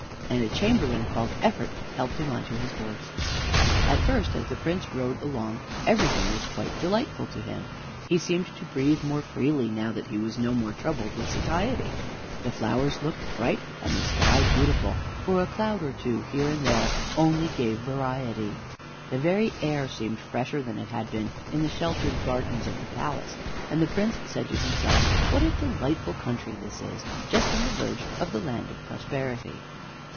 And a chamberlain called Effort helped him on his horse. At first, as the Prince rode along, everything was quite delightful to him. He seemed to breathe more freely now that he was no more troubled with Satiety. The flowers looked bright, and the sky beautiful, for a cloud or two here and there only gave variety. The very air seemed fresher than it had been in the sheltered gardens of the palace, and the Prince said to himself: "What a delightful country this is, just on the verge of the land of Prosperity."